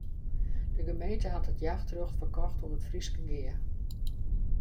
De gemeente hat it jachtrjocht ferkocht oan it Fryske Gea.